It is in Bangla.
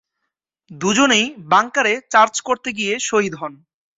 দুজনই বাংকারে চার্জ করতে গিয়ে শহীদ হন।’